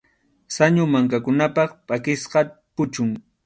Sañu mankakunap pʼakisqa puchun.